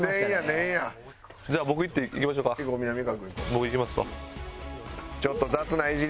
僕いきますわ。